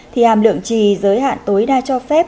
thì hàm lượng trì giới hạn tối đa cho phép